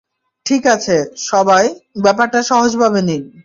ঠিক আছে, সবাই, ব্যাপারটা সহজভাবে নিন।